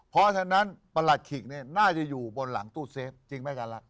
เพราะฉะนั้นประหลัดขิกน่าจะอยู่บนหลังตู้เซฟจริงไหมอาจารย์รัก